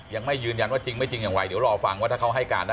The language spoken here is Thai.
ยังไม่ยืนยันว่าจริงไม่จริงอย่างไรเดี๋ยวรอฟังว่าถ้าเขาให้การนะ